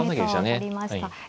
ありましたね。